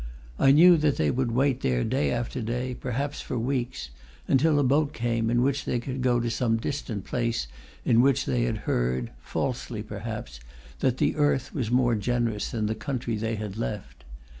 I knew that they would wait there day after day, perhaps for weeks, until a boat came in which they could go to some distant place in which they had heard falsely perhaps that the earth was more generous than in the country they had left.